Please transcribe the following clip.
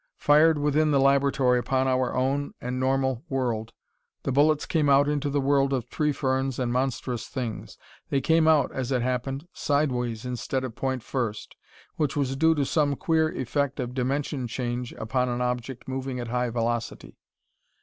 Fired within the laboratory upon our own and normal world, the bullets came out into the world of tree ferns and monstrous things. They came out, as it happened, sideways instead of point first, which was due to some queer effect of dimension change upon an object moving at high velocity.